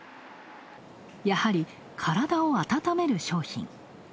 やはり、体を温める商品。